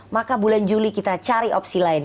maka bulan juli kita cari opsi lain